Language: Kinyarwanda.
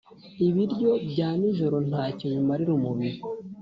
Ibiryo byaninjoro ntacyo bimarira umubiri